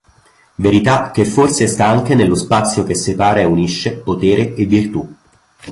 Verità che forse sta anche nello spazio che separa e unisce “Potere” e “Virtù”.